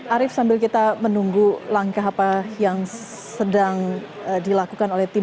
arief sambil kita menunggu langkah apa yang sedang dilakukan oleh tim